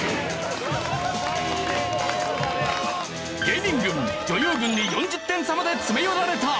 芸人軍女優軍に４０点差まで詰め寄られた。